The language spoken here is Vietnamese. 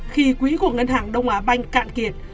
khi quỹ của ngân hàng đông á banh cạn kiệt